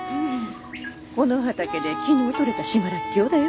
この畑で昨日取れた島らっきょうだよ。